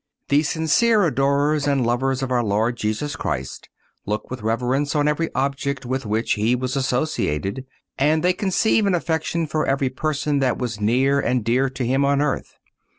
The sincere adorers and lovers of our Lord Jesus Christ look with reverence on every object with which He was associated, and they conceive an affection for every person that was near and dear to Him on earth.